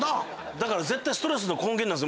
だから絶対ストレスの根源なんです。